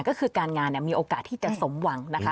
ก็คือการงานมีโอกาสที่จะสมหวังนะคะ